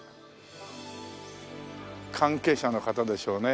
関係者の方でしょうね。